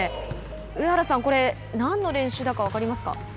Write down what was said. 上原さん、これ何の練習だか分かりますか。